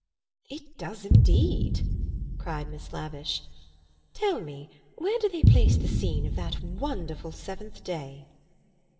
"It does indeed!" cried Miss Lavish. "Tell me, where do they place the scene of that wonderful seventh day?"